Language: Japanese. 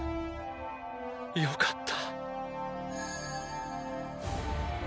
よかった。